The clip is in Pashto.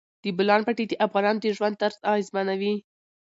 د بولان پټي د افغانانو د ژوند طرز اغېزمنوي.